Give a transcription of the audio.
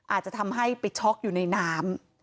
อาจจะทำให้ไปช็อกอยู่ในน้ำ